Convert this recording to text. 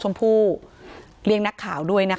การแก้เคล็ดบางอย่างแค่นั้นเอง